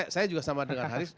saya juga sama dengan haris